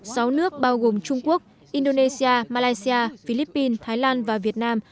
sáu nước bao gồm trung quốc indonesia malaysia philippines thái lan và việt nam